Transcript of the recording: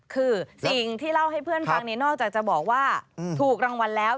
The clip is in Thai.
คือสิ่งที่เล่าให้เพื่อนฟังนอกจากจะบอกว่าถูกรางวัลแล้ว